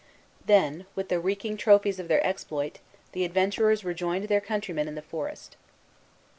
Then, with the reeking trophies of their exploit, the adventurers rejoined their countrymen in the forest.